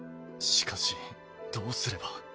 しかしどうすれば。